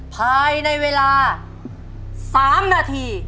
ภายในเวลา๓นาที